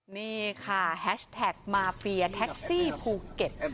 นี่ค่ะแฮชแท็กมาเฟียแท็กซี่ภูเก็ต